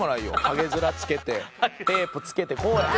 ハゲヅラつけてテープつけてこうや。